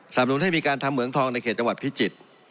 หนุนให้มีการทำเหมืองทองในเขตจังหวัดพิจิตร